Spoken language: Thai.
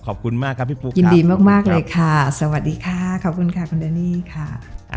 ขอบคุณมากครับพี่ปุ๊กยินดีมากเลยค่ะสวัสดีค่ะขอบคุณค่ะคุณเดนี่ค่ะ